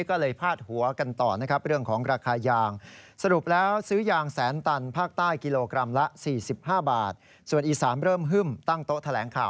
ก็เลยพลาดหัวกันต่อแล้วเป็นางของราคายางสรุปแล้วซ่อยอย่างแสนตันภาคใต้กิโลกรัมละ๔๕บาทส่วนอีสามเริ่มฮึ้มตั้งโต๊ะ